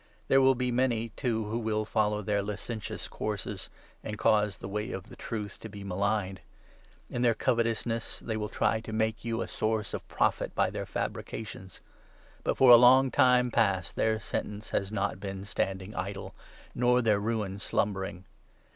There will be many, too, who will follow their licentious courses, and cause the Way of the Truth to be maligned. In their covetous ness they will try to make you a source of profit by their fabrications ; but for a long time past their Sentence has not been standing idle, nor their Ruin slumbering.